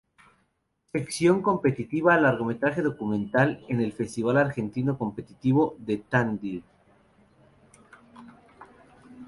Sección Competitiva Largometraje Documental en el Festival Argentino Competitivo de Tandil.